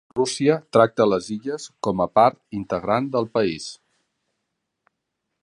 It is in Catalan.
Rússia tracta les illes com a part integrant del país.